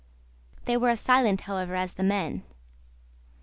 They were as silent, however, as the men.